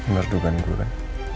menurut gue kan